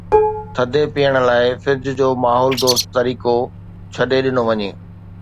ٿڌي پيئڻ لاءِ فرج جو ماحول دوست طريقو ڇڏي ڏنو وڃي.